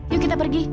yuk kita pergi